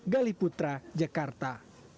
gali putra jakarta